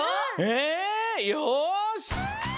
へえよし！